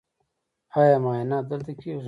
ایا معاینات دلته کیږي؟